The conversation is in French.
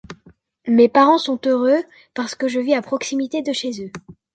Mes parents sont heureux, parce que je vis à proximité de chez eux.